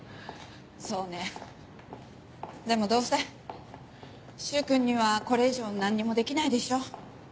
そうねでもどうせ柊君にはこれ以上何にもできないでしょ。